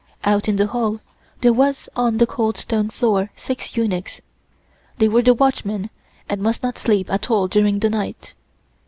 Out in the hall there was on the cold stone floor six eunuchs. They were the watchmen and must not sleep at all during the night.